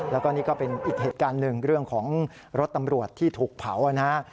แล้วก็นี่ก็เป็นอีกเหตุการณ์หนึ่งเรื่องของรถตำรวจที่ถูกเผานะฮะ